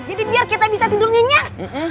jadi biar kita bisa tidur nyenyak